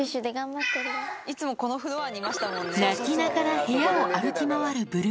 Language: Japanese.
鳴きながら部屋を歩き回るブルー。